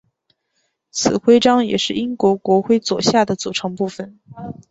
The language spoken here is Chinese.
此徽章也是英国国徽左下的组成部分。